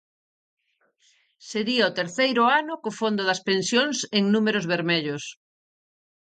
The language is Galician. Sería o terceiro ano co fondo das pensións en números vermellos.